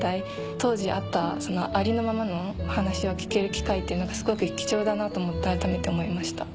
当時あったありのままの話を聞ける機会ってすごく貴重だなって改めて思いました。